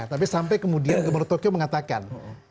tapi sampai kemudian gubernur tokyo mengatakan